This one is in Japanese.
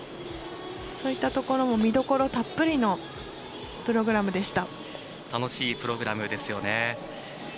そういったところも見どころたっぷりの楽しいプログラムですよね。